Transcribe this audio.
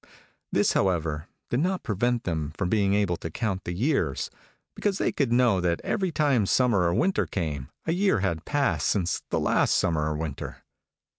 This, however, did not prevent them from being able to count the years, because they could know that every time summer or winter came, a year had passed since the last summer or winter.